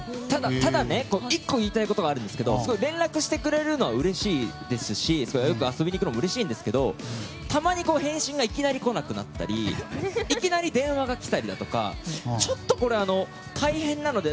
ただね、１個言いたいことがあるんですけど連絡してくれるのはうれしいですしよく遊びに行くのもうれしいんですけどいきなり返信が来なくなったりいきなり電話が来たりだとかちょっとこれ大変なので。